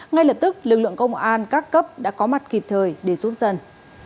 ngay lập tức lực lượng công an các cấp đã có mặt kịp thời để giúp dân